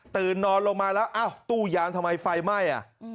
นอนลงมาแล้วอ้าวตู้ยางทำไมไฟไหม้